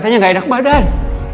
katanya gak enak badan